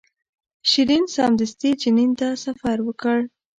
شیرین سمدستي جنین ته سفر وکړ.